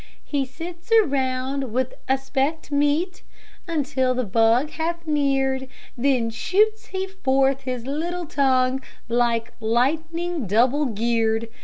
"He sits around with aspect meek, Until the bug hath neared, Then shoots he forth his little tongue Like lightning double geared.